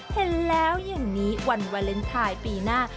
เห็นแล้วอย่างนี้วันวาเลนไทยปีหน้า